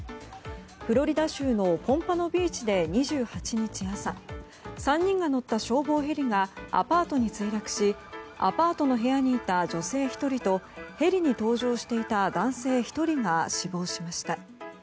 フロリダ州のポンパノビーチで２８日に朝３人が乗った消防ヘリがアパートに墜落しアパートの部屋にいた女性１人とヘリに搭乗していた男性１人が死亡しました。